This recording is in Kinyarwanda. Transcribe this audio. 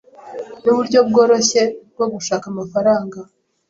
Nuburyo bworoshye bwo gushaka amafaranga.